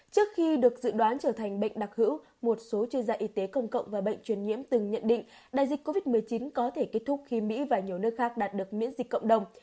trước khi được dự đoán trở thành bệnh đặc hữu một số chuyên gia y tế công cộng và bệnh truyền nhiễm từng nhận định đại dịch covid một mươi chín có thể kết thúc khi mỹ và nhiều nước khác đạt được miễn dịch cộng đồng